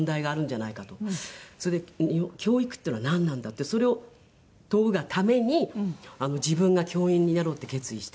それで教育っていうのはなんなんだってそれを問うがために自分が教員になろうって決意して。